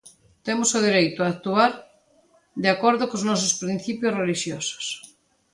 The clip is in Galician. Temos o dereito a actuar de acordo cos nosos principios relixiosos.